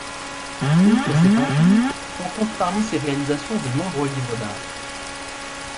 Outre ses peintures, on compte parmi ses réalisations de nombreux livres d'art.